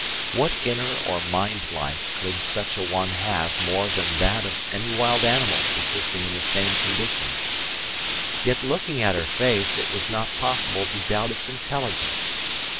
What inner or mind life could such a one have more than that of any wild animal existing in the same conditions? Yet looking at her face it was not possible to doubt its intelligence.